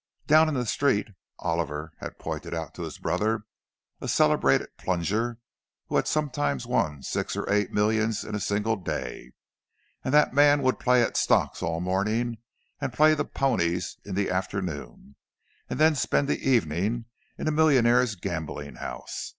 Down in the Street, Oliver had pointed out to his brother a celebrated "plunger," who had sometimes won six or eight millions in a single day; and that man would play at stocks all morning, and "play the ponies" in the afternoon, and then spend the evening in a millionaires' gambling house.